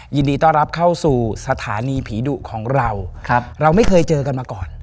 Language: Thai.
ยินดีต้อนรับเข้าสู่สถานีผีดุของเราเราไม่เคยเจอกันมาก่อน